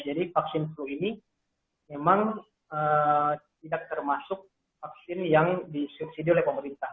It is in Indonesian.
jadi vaksin flu ini memang tidak termasuk vaksin yang disubsidi oleh pemerintah